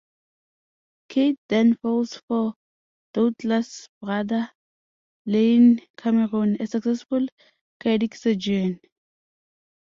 Kate then falls for Douglas' brother, Iain Cameron, a successful cardiac surgeon.